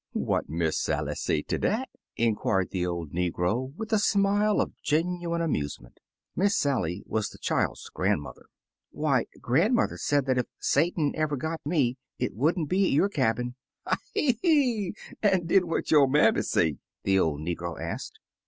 ''What Miss Sally say ter dat?" inquired the old negro with a smile of genuine amusement. Miss Sally was the child's grandmother. ''Why, grandmother said that if Satan ever got me, it would n't be at your cabin.'* "Ah yi! An' den what yo' manmiy say?" the old negro asked.